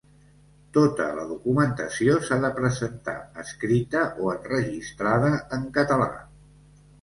Tota la documentació s'ha de presentar escrita o enregistrada en català.